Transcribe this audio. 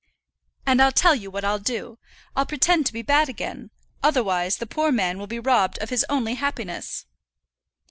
And I'll tell you what I'll do, I'll pretend to be bad again, otherwise the poor man will be robbed of his only happiness."